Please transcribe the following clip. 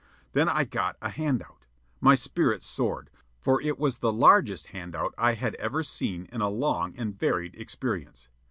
Then I got a "hand out." My spirits soared, for it was the largest hand out I had ever seen in a long and varied experience.